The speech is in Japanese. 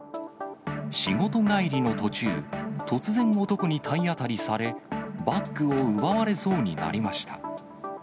仕事帰りの途中、突然男に体当たりされ、バッグを奪われそうになりました。